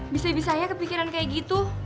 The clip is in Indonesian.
bisa bisanya kepikiran kayak gitu